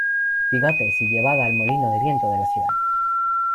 Bigotes y llevada al molino de viento de la ciudad.